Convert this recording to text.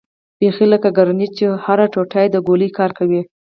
بيخي لکه ګرنېټ چې هره ټوټه يې د ګولۍ کار کوي.